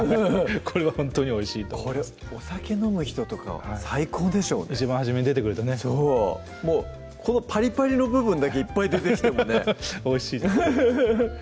これはほんとにおいしいとこれお酒飲む人とか最高でしょうね一番初めに出てくるとねそうこのパリパリの部分だけいっぱい出てきてもねおいしいですねフフフフッ